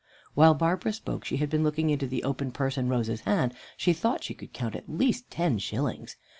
While Barbara spoke she had been looking into the open purse in Rose's hand. She thought she could count at least ten shillings.